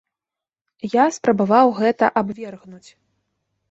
Я спрабаваў гэта абвергнуць.